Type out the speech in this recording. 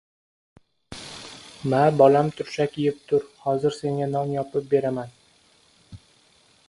Ma, bolam, turshak yeb tur, hozir senga non yopib beraman.